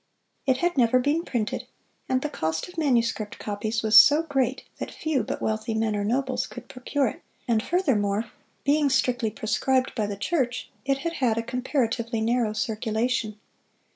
It had never been printed, and the cost of manuscript copies was so great that few but wealthy men or nobles could procure it; and furthermore, being strictly proscribed by the church, it had had a comparatively narrow circulation.